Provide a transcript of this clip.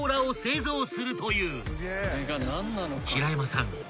［平山さん